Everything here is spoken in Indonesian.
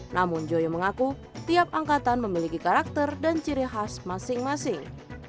namun joyo mengaku tiap angkatan memiliki karakter dan ciri khas masing masing